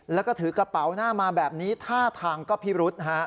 แล้วก็ถือกระเป๋าหน้ามาแบบนี้ท่าทางก็พิรุษ